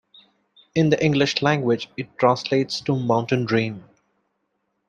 In the English language, it translates to mountain dream.